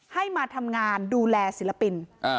ให้มาทำงานดูแลศิลปิน